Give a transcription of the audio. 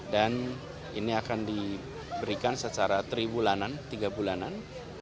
dan ini akan diberikan secara triwulanan tiga bulanan